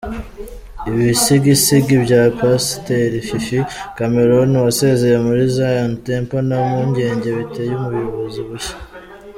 Ibisigisigi bya Pasiteri Fifi Cameron wasezeye muri Zion Temple nta mpungenge biteye ubuyobozi bushya.